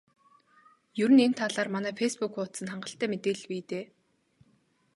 Ер нь энэ талаар манай фейсбүүк хуудсанд хангалттай мэдээлэл бий дээ.